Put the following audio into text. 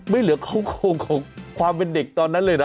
ไม่เหลือเขาโครงของความเป็นเด็กตอนนั้นเลยนะ